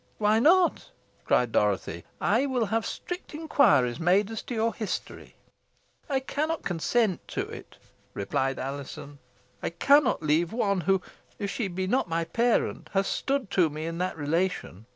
"Why not?" cried Dorothy. "I will have strict inquiries made as to your history." "I cannot consent to it," replied Alizon. "I cannot leave one who, if she be not my parent, has stood to me in that relation.